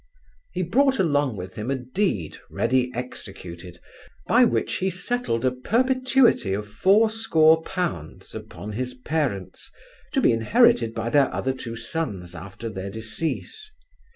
He brought along with him a deed ready executed, by which he settled a perpetuity of four score pounds upon his parents, to be inherited by their other two sons after their decease.